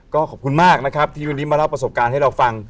ก็ขอบคุณมากนะครับที่วันนี้มาเล่าประสบการณ์ให้เราฟัง